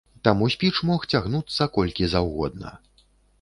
Таму спіч мог цягнуцца колькі заўгодна.